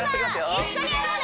一緒にやろうね！